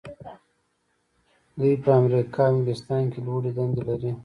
دوی په امریکا او انګلستان کې لوړې دندې لري.